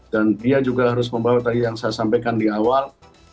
dan dia juga harus membawa tadi yang saya sampaikan di awal